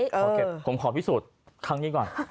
ขอเก็บผมขอพิสูจน์ครั้งนี้ก่อน